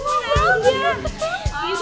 jangan lihat sama dewi sih